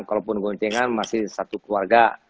kalaupun goncengan masih satu keluarga